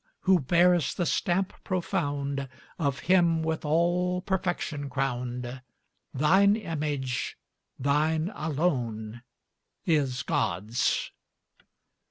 who bear'st the stamp profound Of Him with all perfection crowned, Thine image thine alone is God's....